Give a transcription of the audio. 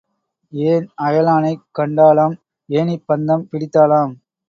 ஏன் அயலானைக் கண்டாளாம் ஏணிப் பந்தம் பிடித்தாளாம்.